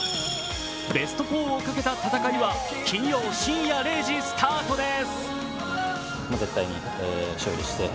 ベスト４をかけた戦いは金曜深夜０時スタートです。